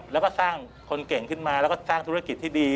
แล้วก็สร้างคนเก่งขึ้นมาแล้วก็สร้างธุรกิจที่ดี